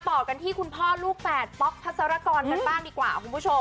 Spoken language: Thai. ต่อกันที่คุณพ่อลูกแฝดป๊อกพัศรกรกันบ้างดีกว่าคุณผู้ชม